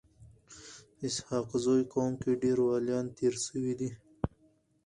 په اسحق زي قوم کي ډير وليان تیر سوي دي.